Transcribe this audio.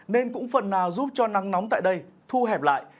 nên cũng phần nào giúp cho nắng nóng tại đây thu hẹp lại